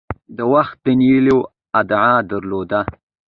د تخت د نیولو ادعا درلوده.